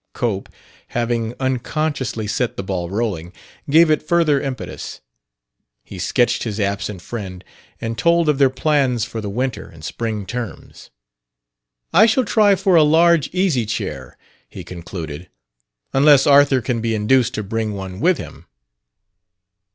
Cope, having unconsciously set the ball rolling, gave it further impetus. He sketched his absent friend and told of their plans for the winter and spring terms. "I shall try for a large easy chair," he concluded, "unless Arthur can be induced to bring one with him."